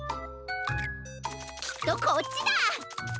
きっとこっちだ！